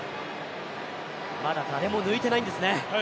まだ誰も抜いてないんですね。